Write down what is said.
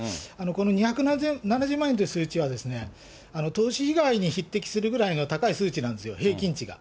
この２７０万円って数字は、投資被害に匹敵するぐらいの高い数値なんですよ、平均値が。